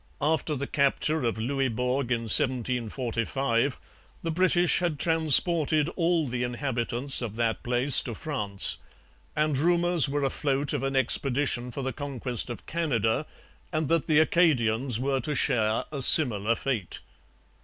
After the capture of Louisbourg in 1745 the British had transported all the inhabitants of that place to France; and rumours were afloat of an expedition for the conquest of Canada and that the Acadians were to share a similar fate.